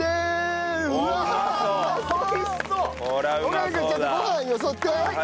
岡部君ちょっとご飯よそって。